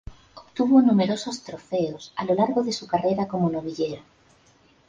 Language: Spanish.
Obtuvo numerosos trofeos a lo largo de su carrera como novillero.